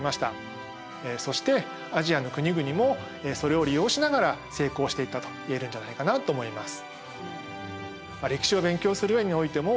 そしてアジアの国々もそれを利用しながら成功していったと言えるんじゃないかなと思います。